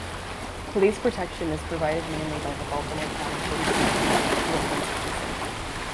Police protection is provided mainly by the Baltimore County Police Department, Wilkens Precinct.